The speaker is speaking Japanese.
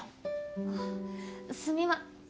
あっすみま。